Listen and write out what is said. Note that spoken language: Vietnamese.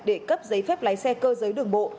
để cấp giấy phép lái xe cơ giới đường bộ